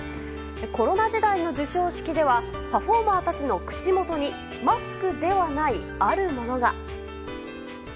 コロナ時代の授賞式ではパフォーマーたちの口元にマスクではない、あるものが。